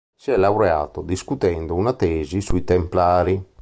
Si è laureato discutendo una tesi sui Templari.